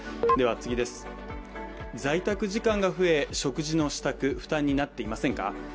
在宅時間が増え、食事の支度負担になっていませんか？